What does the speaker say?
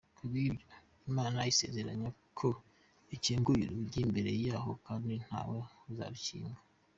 Kubw’ibyo, Imana isezeranya ko ikinguye urugi imbere yabo kandi ntawe uzarukinga.